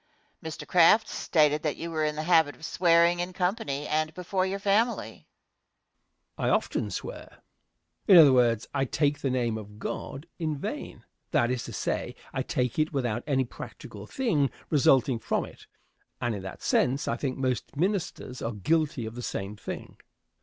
Question. Mr. Crafts stated that you were in the habit of swearing in company and before your family? Answer. I often swear. In other words, I take the name of God in vain; that is to say, I take it without any practical thing resulting from it, and in that sense I think most ministers are guilty of the same thing.